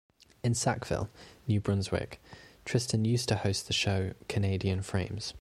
In Sackville, New Brunswick, Tristan used to host the show "Canadian Frames".